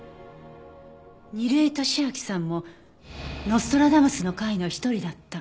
楡井敏秋さんもノストラダムスの会の一人だった。